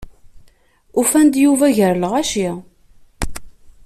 Ufan-d Yuba gar lɣaci.